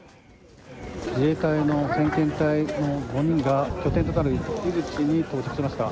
自衛隊の先遣隊の５人が拠点となるジブチに到着しました。